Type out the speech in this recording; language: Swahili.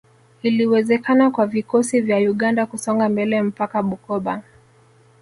Iliwezekana kwa vikosi vya Uganda kusonga mbele mpaka Bukoba